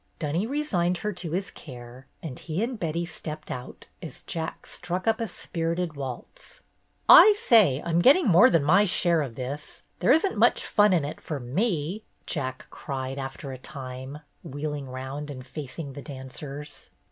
Dunny re signed her to his care, and he and Betty stepped out as Jack struck up a spirited waltz. "I say, I'm getting more than my share of this. There is n't much fun in it for me," Jack cried, after a time, wheeling round and facing the dancers.